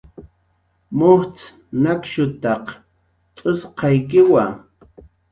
Mujcx nakshutaq tz'usqaykiwa